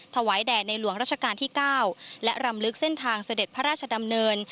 ถวายแด่ในหลวงราชการที่๙และรำลึกเส้นทางเสด็จพระราชดำเนิน